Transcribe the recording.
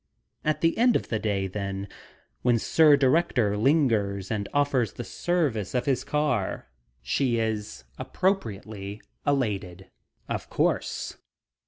At the end of the day, then, when Sir Director lingers and offers the service of his car, she is appropriately elated, of course.